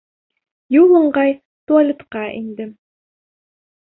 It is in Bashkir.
Юл ыңғай туалетҡа индем.